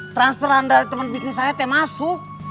transferan dari teman bisnis saya teh masuk